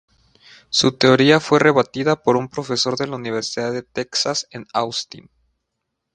Su teoría fue rebatida por un profesor de la Universidad de Texas en Austin.